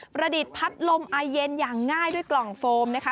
ประดิษฐ์พัดลมไอเย็นอย่างง่ายด้วยกล่องโฟมนะคะ